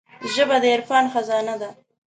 ژبه د عرفان خزانه ده